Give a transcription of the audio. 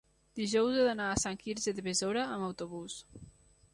dijous he d'anar a Sant Quirze de Besora amb autobús.